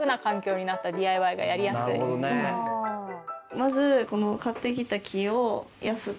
まずこの。